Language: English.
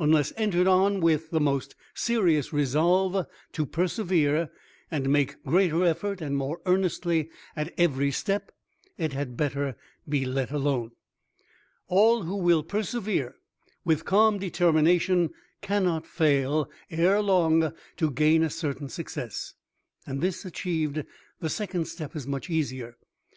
Unless entered on with the most serious resolve to persevere, and make greater effort and more earnestly at every step, it had better be let alone. All who will persevere with calm determination cannot fail ere long to gain a certain success, and this achieved, the second step is much easier.